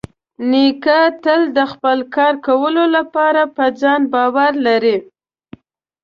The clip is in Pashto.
نیکه تل د خپل کار کولو لپاره په ځان باور لري.